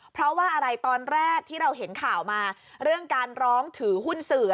เพราะว่าอะไรตอนแรกที่เราเห็นข่าวมาเรื่องการร้องถือหุ้นสื่อ